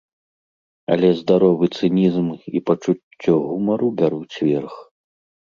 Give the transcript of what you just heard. Але здаровы цынізм і пачуцце гумару бяруць верх.